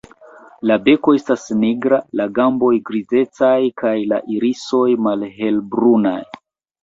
La beko estas nigra, la gamboj grizecaj kaj la irisoj malhelbrunaj.